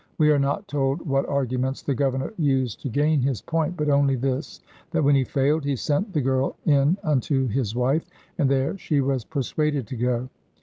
We are not told what arguments the governor used to gain his point, but only this, that when he failed, he sent the girl in unto his wife, and there she was persuaded to go.